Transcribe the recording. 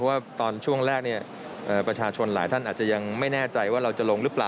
ว่าตอนช่วงแรกประชาชนหลายท่านอาจจะยังไม่แน่ใจว่าเราจะลงหรือเปล่า